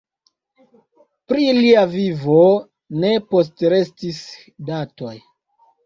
Pri lia vivo ne postrestis datoj.